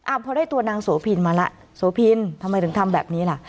อ้าวเพราะได้ตัวนางโสพินมาล่ะโสพินทำไมถึงทำแบบนี้ล่ะ